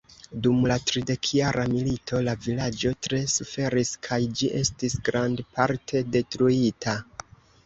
Dum la tridekjara milito la vilaĝo tre suferis kaj ĝi estis grandparte detruita.